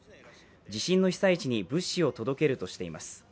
地震の被災地に物資を届けるとしています。